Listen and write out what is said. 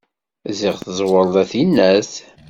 Ziɣ tẓẓewreḍ a tinnat.